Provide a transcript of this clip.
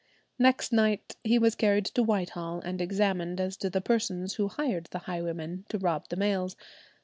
Next night he was carried to Whitehall and examined as to the persons who hired the highwaymen to rob the mails.